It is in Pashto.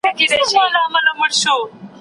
موږ د اوږده اتڼ لپاره ډوډۍ راوړو.